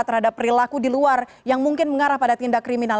terhadap perilaku di luar yang mungkin mengarah pada tindak kriminal